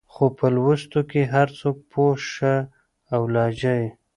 خو په لوستو کې هر څوک پوه شه او لهجه يې